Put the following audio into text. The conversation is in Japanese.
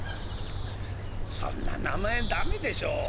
「そんな名前駄目でしょう」。